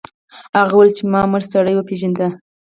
هغه وویل چې ما مړ سړی وپیژنده.